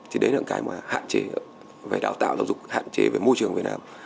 thì đấy là một cái mà hạn chế về đào tạo giáo dục hạn chế về môi trường việt nam